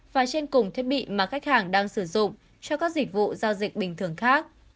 và trên cùng thiết bị mà khách hàng đang sử dụng cho các dịch vụ giao dịch bình thường khác